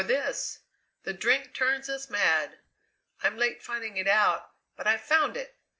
"For this: The drink turns us mad! I'm late finding it out, but I've found it!